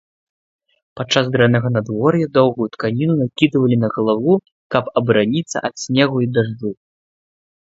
Падчас дрэннага надвор'я доўгую тканіну накідвалі на галаву, каб абараніцца ад снегу і дажджу.